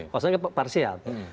maksudnya kan parsial